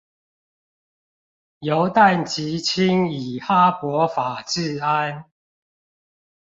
由氮及氫以哈柏法製氨